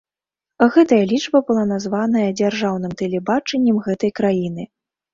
Гэтая лічба была названая дзяржаўным тэлебачаннем гэтай краіны.